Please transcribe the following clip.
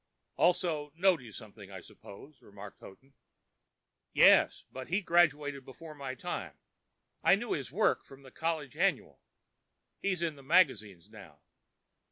"Also Noughty something, I suppose," remarked Houghton. "Yes. But he graduated before my time. I knew his work in the college annual. He's in the magazines now.